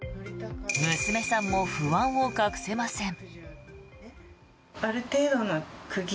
娘さんも不安を隠せません。